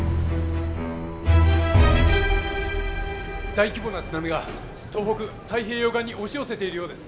大規模な津波が東北太平洋岸に押し寄せているようです。